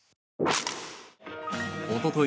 おととい